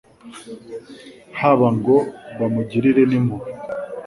haba ngo bamugirire n'impuhwe.